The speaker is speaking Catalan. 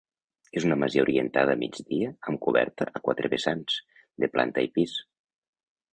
És una masia orientada a migdia amb coberta a quatre vessants, de planta i pis.